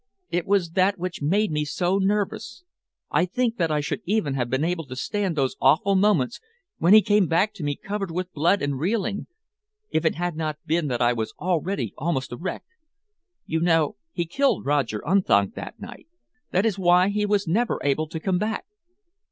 It was that which made me so nervous. I think that I should even have been able to stand those awful moments when he came back to me, covered with blood and reeling, if it had not been that I was already almost a wreck. You know, he killed Roger Unthank that night. That is why he was never able to come back."